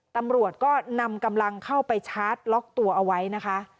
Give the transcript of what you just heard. ตำรวจก็นำกำลังเข้าไปชาร์จล็อกตัวเอาไว้นะคะ